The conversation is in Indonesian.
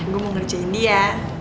gue mau ngerjain dia